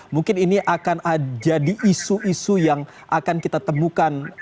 mungkin ini akan jadi isu isu yang akan kita temukan